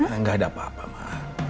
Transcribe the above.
enggak ada apa apa mah